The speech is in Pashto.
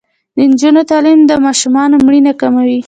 د نجونو تعلیم د ماشومانو مړینه کموي.